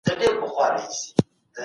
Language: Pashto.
ارزښتونه یوازې په لوستلو سره پېژندل کېږي.